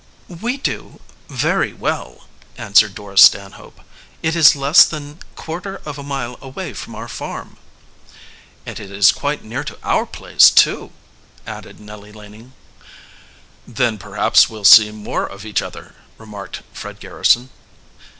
"We do very well," answered Dora Stanhope. "It is less than quarter of a mile away from our farm." "And it is quite near to our place too," added Nellie Laning. "Then perhaps we'll see more of each other," remarked Fred Garrison.